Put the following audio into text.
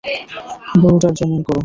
বুড়োটার জামিন করো।